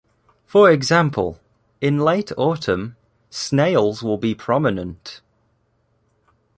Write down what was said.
For example, in late autumn, snails will be prominent.